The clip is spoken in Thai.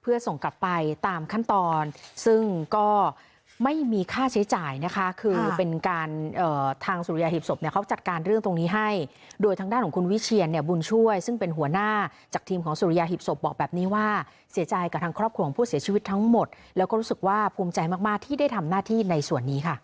เพื่อส่งกลับไปตามขั้นตอนซึ่งก็ไม่มีค่าใช้จ่ายนะคะคือเป็นการทางสุริยาหีบศพเนี่ยเขาจัดการเรื่องตรงนี้ให้โดยทางด้านของคุณวิเชียนเนี่ยบุญช่วยซึ่งเป็นหัวหน้าจากทีมของสุริยาหีบศพบอกแบบนี้ว่าเสียใจกับทางครอบครัวของผู้เสียชีวิตทั้งหมดแล้วก็รู้สึกว่าภูมิใจมากที่ได้ทำหน้าที่ในส่วนนี้ค่ะ